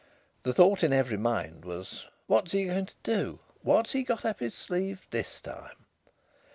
The thought in every mind was: "What's he going to do? What's he got up his sleeve this time?"